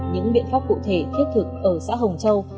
những biện pháp cụ thể thiết thực ở xã hồng châu